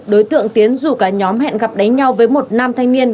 đối tượng tiến rủ cả nhóm hẹn gặp đánh nhau với một nam thanh niên